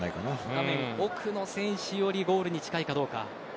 画面奥の選手よりゴールに近いかどうか。